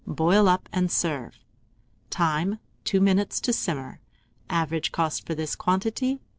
Boil up and serve. Time. 2 minutes to simmer. Average cost for this quantity, 3d.